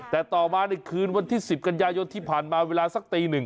แต่ต่อมาในคืนวันที่๑๐กันยายนที่ผ่านมาเวลาสักตีหนึ่ง